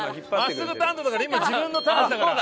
真っすぐ担当だから今自分のターンだから。